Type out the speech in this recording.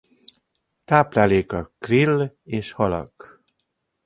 Tápláléka krill és halak.